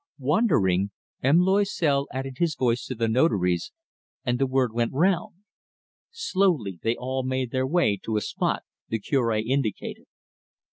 Wondering, M. Loisel added his voice to the Notary's, and the word went round. Slowly they all made their way to a spot the Cure indicated.